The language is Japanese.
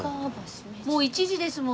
もう１時ですもん。